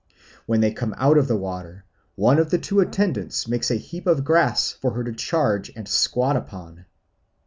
When they come out of the water one of the two attendants makes a heap of grass for her charge to squat upon.